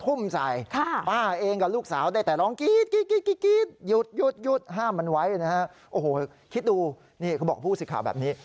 โอ้โหคิดดูนี่เขาบอกเพื่อพูดสิข่าวแบบนี้